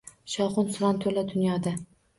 Shovqin-suron to‘la dunyoda